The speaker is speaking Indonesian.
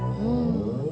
papa gak tau